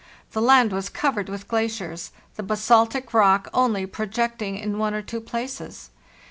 The land was covered with glaciers, the basaltic rock only projecting in one or two places.